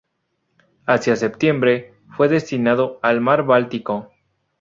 Hacia septiembre, fue destinado al mar Báltico.